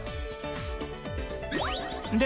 で